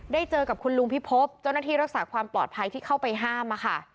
เจอกับคุณลุงพิพบเจ้าหน้าที่รักษาความปลอดภัยที่เข้าไปห้ามค่ะ